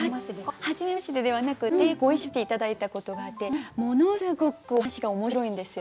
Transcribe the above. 「はじめまして」ではなくってご一緒させて頂いたことがあってものすごくお話が面白いんですよ。